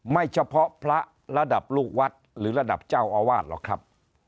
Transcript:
ไม่เฉพาะพระระดับลูกวัดหรือระดับเจ้าอาวาสหรอกครับ